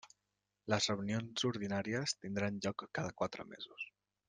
Les reunions ordinàries tindran lloc cada quatre mesos.